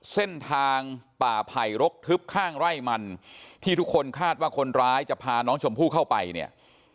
เส้นทางป่าไผ่รกทึบข้างไร่มันที่ทุกคนคาดว่าคนร้ายจะพาน้องชมพู่เข้าไปเนี่ย